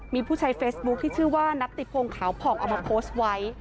มีผู้ใช้เฟซบุ๊คที่ชื่อว่านัตติพงขาวผ่องเอามาโพสต์ไว้